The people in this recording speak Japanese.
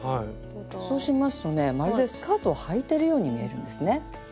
そうしますとねまるでスカートをはいてるように見えるんですね。